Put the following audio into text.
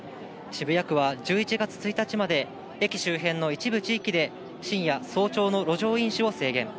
渋谷区は１１月１日まで、駅周辺の一部地域で深夜・早朝の路上飲酒を制限。